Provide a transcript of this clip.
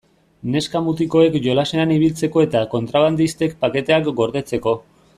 Neska-mutikoek jolasean ibiltzeko eta kontrabandistek paketeak gordetzeko.